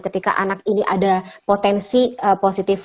ketika anak ini ada potensi positif